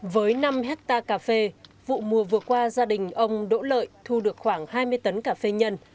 với năm hectare cà phê vụ mùa vừa qua gia đình ông đỗ lợi thu được khoảng hai mươi tấn cà phê nhân